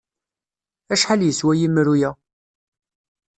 Acḥal yeswa yemru-a?